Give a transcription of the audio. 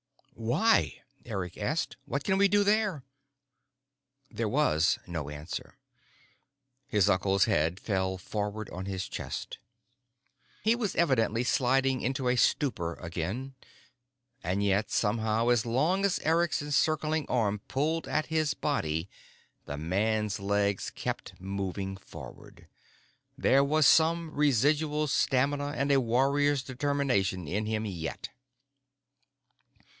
"Why?" Eric asked. "What can we do there?" There was no answer. His uncle's head fell forward on his chest. He was evidently sliding into a stupor again. And yet, somehow, as long as Eric's encircling arm pulled at his body, the man's legs kept moving forward. There was some residual stamina and a warrior's determination in him yet.